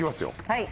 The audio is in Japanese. はい。